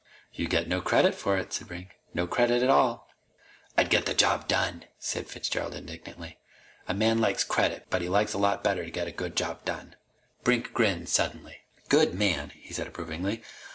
"You'd get no credit for it," said Brink. "No credit at all." "I'd get the job done!" said Fitzgerald indignantly. "A man likes credit, but he likes a lot better to get a good job done!" Brink grinned suddenly. "Good man!" he said approvingly.